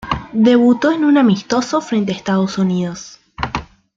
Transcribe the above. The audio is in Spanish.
Debutó en un amistoso frente a Estados Unidos.